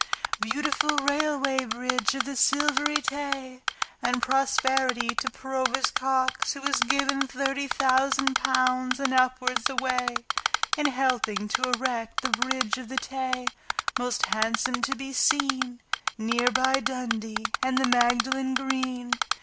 Beautiful Railway Bridge of the Silvery Tay! And prosperity to Provost Cox, who has given Thirty thousand pounds and upwards away In helping to erect the Bridge of the Tay, Most handsome to be seen, Near by Dundee and the Magdalen Green.